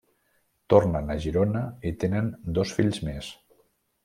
Tornen a Girona i tenen dos fills més.